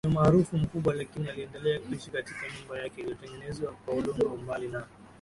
mwenye umaarufu mkubwa lakini aliendelea kuishi katika nyumba yake iliyotengenezwa kwa udongo Mbali na